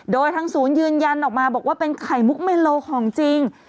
โดยทางศูนย์ยืนยันออกมาบอกว่าเป็นไข่มุกเมโลของจริง